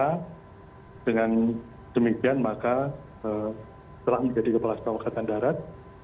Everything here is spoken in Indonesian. karena dengan demikian maka telah menjadi kepala setafangkatan darat